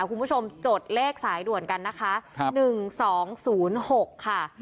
คุณผู้ชมจดเลขสายด่วนกันนะคะ๑๒๐๖ค่ะ